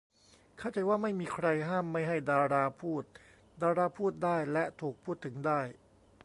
เข้าใจว่าไม่มีใครห้ามไม่ให้ดาราพูด ดาราพูดได้ และถูกพูดถึงได้